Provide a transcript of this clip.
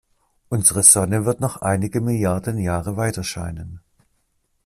Unsere Sonne wird noch einige Milliarden Jahre weiterscheinen.